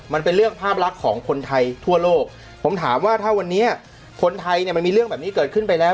มันเป็นเรื่องภาพลักษณ์ของคนไทยทั่วโลกผมถามว่าถ้าวันนี้คนไทยเนี่ยมันมีเรื่องแบบนี้เกิดขึ้นไปแล้ว